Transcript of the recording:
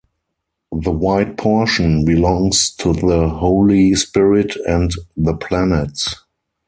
The white portion belongs to the Holy Spirit and the planets.